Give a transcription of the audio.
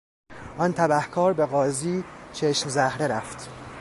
آن تبهکار به قاضی چشم زهره رفت.